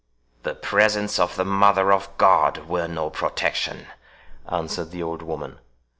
"The presence of the mother of God were no protection," answered the old woman.